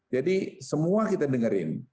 jadi semua kita dengerin